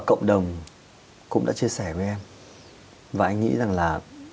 cộng đồng cũng đã chia sẻ với em và anh nghĩ rằng là